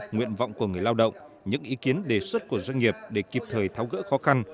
nguyện vọng của người lao động những ý kiến đề xuất của doanh nghiệp để kịp thời tháo gỡ khó khăn